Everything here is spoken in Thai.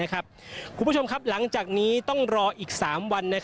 คุณผู้ชมครับหลังจากนี้ต้องรออีก๓วัน